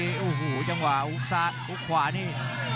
เหลี่ยวเมื่อกี้จังหว่าอุ๊บซาดอุ๊บขวานี่